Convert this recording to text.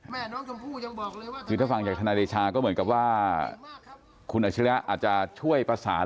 หรือถ้าฟังอยากทนายเดชาก็เหมือนกับว่าคุณอาชญาอาจจะช่วยประสาน